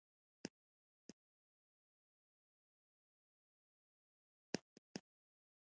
کله چې خوشې شو نو په مجسمو پسې شو.